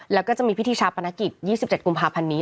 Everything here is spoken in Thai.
แล้วก็จะมีพิทธิชาภปนกิจยี่สิบเจ็ดกุมภาพันธ์นี้